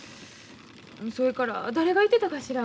それから誰がいてたかしら？